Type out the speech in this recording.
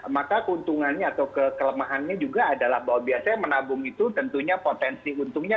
maka keuntungannya atau kekelemahannya juga adalah bahwa biasanya menabung itu tentunya potensi untungnya